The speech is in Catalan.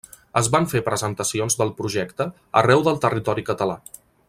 Es van fer presentacions del projecte arreu del territori català.